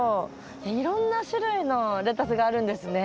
いろんな種類のレタスがあるんですね。